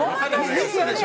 ミスでしょ。